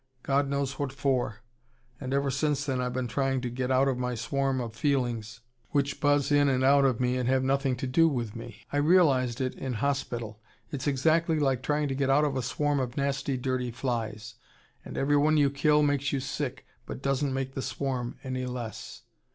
God knows what for. And ever since then I've been trying to get out of my swarm of feelings, which buzz in and out of me and have nothing to do with me. I realised it in hospital. It's exactly like trying to get out of a swarm of nasty dirty flies. And every one you kill makes you sick, but doesn't make the swarm any less."